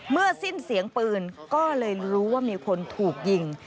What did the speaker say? สิ้นเสียงปืนก็เลยรู้ว่ามีคนถูกยิง